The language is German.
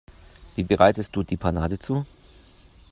Wie bereitest du die Panade zu?